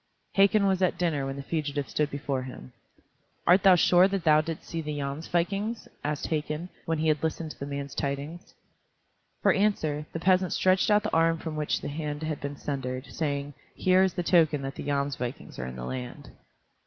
Hakon was at dinner when the fugitive stood before him. "Art thou sure that thou didst see the Jomsvikings?" asked Hakon, when he had listened to the man's tidings. For answer, the peasant stretched out the arm from which the hand had been sundered, saying, "Here is the token that the Jomsvikings are in the land."